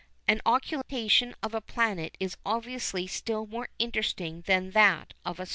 An occultation of a planet is obviously still more interesting than that of a star.